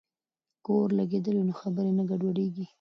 که اورېدل وي نو خبرې نه ګډوډیږي.